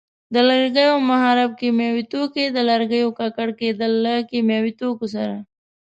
د لرګیو مخرب کیمیاوي توکي: د لرګیو ککړ کېدل له کیمیاوي توکو سره.